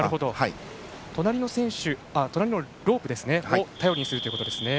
隣のロープを頼りにするということですね。